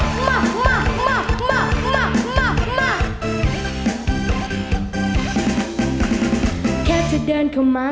สวัสดีครับ